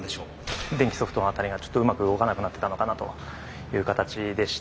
電気ソフトの辺りがちょっとうまく動かなくなってたのかなという形でした。